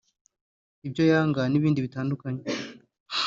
ibyo yanga n’ibindi bitandukanye